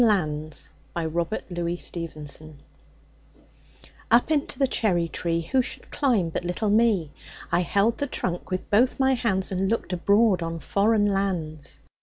CHARLES KINGSLEY FOREIGN LANDS Up into the cherry tree Who should climb but little me? I held the trunk with both my hands And looked abroad on foreign lands.